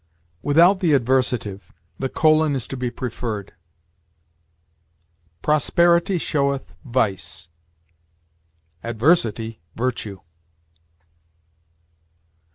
Without the adversative, the colon is to be preferred: "Prosperity showeth vice: adversity, virtue."